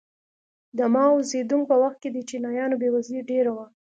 د ماوو زیدونګ په وخت کې د چینایانو بېوزلي ډېره وه.